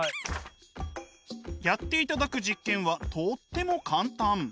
やっていただく実験はとっても簡単。